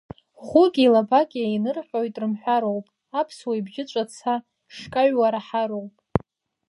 Ӷәыки лабаки еинырҟьоит рымҳәароуп, аԥсуа ибжьы ҿаца шкаҩуа раҳароуп.